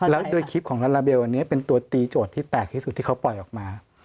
แล้วโดยคลิปของลาลาเบลอันนี้เป็นตัวตีโจทย์ที่แตกที่สุดที่เขาปล่อยออกมา